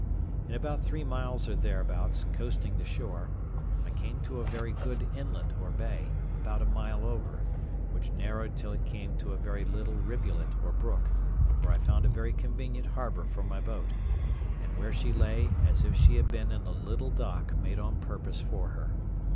In about three miles or thereabouts, coasting the shore, I came to a very good inlet or bay, about a mile over, which narrowed till it came to a very little rivulet or brook, where I found a very convenient harbour for my boat, and where she lay as if she had been in a little dock made on purpose for her.